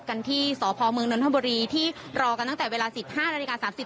กันที่สพมนทบรีที่รอกันตั้งแต่เวลาสิบห้านาฬิกาสามสิบ